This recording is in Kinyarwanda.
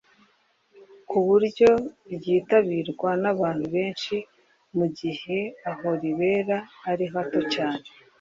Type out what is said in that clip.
ku buryo ryitabirwa n’abantu benshi mu gihe aho ribera ari hato cyane